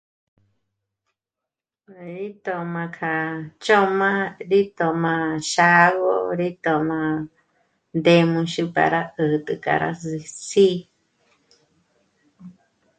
Rí tom'a k'a ch'om'a, rí t'om'a xágö, rí tom'a ndém'uxu para 'ät'ä k'a rá sî'i.